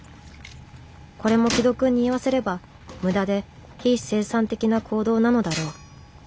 これも紀土くんに言わせれば無駄で非生産的な行動なのだろう